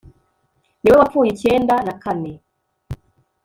niwe wapfuye icyenda na kane